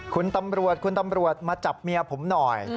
คุณตำรวจคุณตำรวจมาจับเมียผมหน่อย